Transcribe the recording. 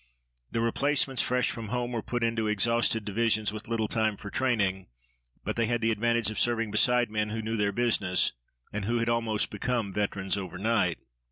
The replacements fresh from home were put into exhausted divisions with little time for training, but they had the advantage of serving beside men who knew their business and who had almost become veterans overnight.